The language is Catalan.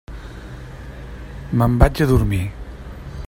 Me'n vaig a dormir.